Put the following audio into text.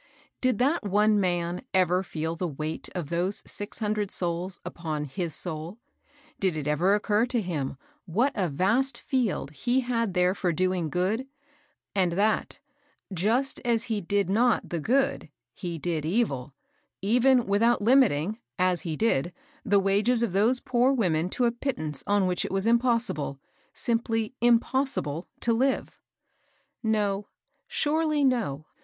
Did that one man ever feel the weight of those six hundred souls upon his soul ? Did it ever occur to him what a vast field he had there for doing good, and that, just as he did not the good^ he did evil^ even without limiting, as he did, the wages of those poor women to a pittance on which it was impossi ble, simply impossible to live ? No, surely no.